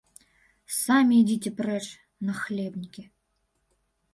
Самі ідзіце прэч, нахлебнікі!